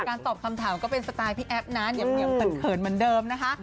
การตอบคำถามก็เป็นสไตล์พี่แอฟนั้นอย่าเป็นเขินเหมือนเดิมนะคะ